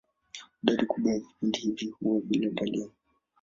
Idadi kubwa ya vipindi hivi huwa bila dalili.